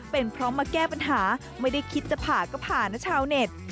เป็นเพราะมาแก้ปัญหาไม่ได้คิดจะผ่าก็ผ่านะชาวเน็ต